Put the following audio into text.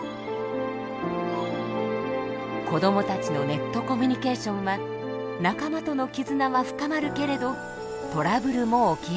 子どもたちのネットコミュニケーションは仲間との絆は深まるけれどトラブルも起きやすい。